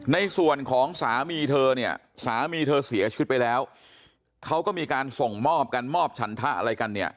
ในส่วนของสามีเธอเนี่ยสามีเธอเสียชีวิตไปแล้วเขาก็มีการส่งมอบกันมอบฉันทะอะไรกันเนี่ย